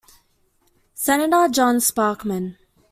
Senator John Sparkman.